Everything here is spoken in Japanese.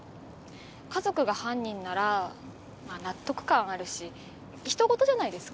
家族が犯人なら納得感あるし人ごとじゃないですか。